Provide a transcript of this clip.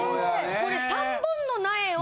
これ３本の苗を。